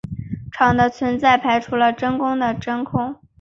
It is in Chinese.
场的存在排除了真正的真空。